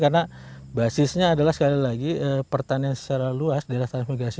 karena basisnya adalah sekali lagi pertanian secara luas di atas transbikasi